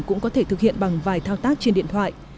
cũng có thể thực hiện bằng vài thao tác trên điện thoại